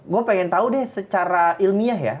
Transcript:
gue pengen tahu deh secara ilmiah ya